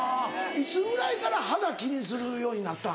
いつぐらいから肌気にするようになったん？